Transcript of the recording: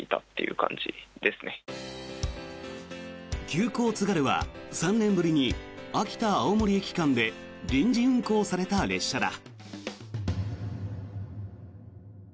急行津軽は３年ぶりに秋田青森駅間で臨時運行された列車だ。